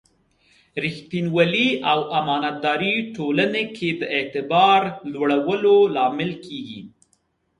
ریښتینولي او امانتداري ټولنې کې د اعتبار لوړولو لامل کېږي.